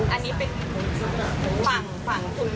อันนี้ฝั่งค่ะ